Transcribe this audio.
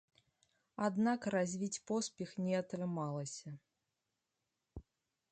Аднак развіць поспех не атрымалася.